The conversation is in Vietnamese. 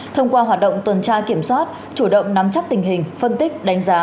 thông qua hoạt động tuần tra kiểm soát chủ động nắm chắc tình hình phân tích đánh giá